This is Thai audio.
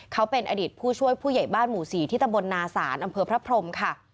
เขาเป็นอดีตผู้ช่วยผู้ใหญ่บ้านหมู่๔ที่ตะบลนาศาลอำเภอพระพรมค่ะ